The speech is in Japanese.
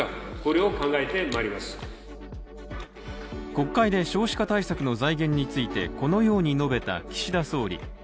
国会で少子化対策の財源についてこのように述べた岸田総理。